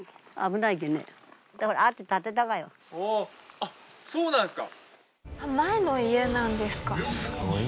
あっそうなんですか。